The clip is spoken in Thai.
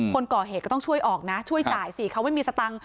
คนก่อเหตุก็ต้องช่วยออกนะช่วยจ่ายสิเขาไม่มีสตังค์